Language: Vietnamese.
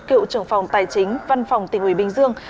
cựu trưởng phòng tài chính văn phòng tỉnh ủy bình dương